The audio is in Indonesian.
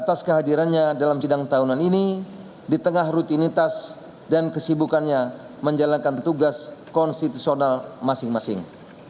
atas kehadirannya dalam sidang tahunan ini di tengah rutinitas dan kesibukannya menjalankan tugas konstitusional masing masing